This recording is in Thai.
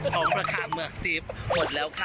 ท้องประขาเหมือกจิ๊บหมดแล้วค่ะ